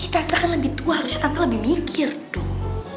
tante kan lebih tua harusnya tante lebih mikir dong